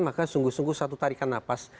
maka sungguh sungguh satu tarikan nafas